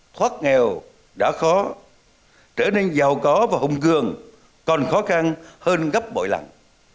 thoát nghèo đã khó trở nên giàu có và hùng cường còn khó khăn hơn gấp bội lặng